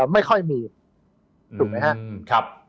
ไม่ค่อยมีถูกไหมครับ